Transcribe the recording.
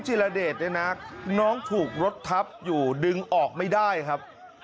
จิรเดชเนี่ยนะน้องถูกรถทับอยู่ดึงออกไม่ได้ครับ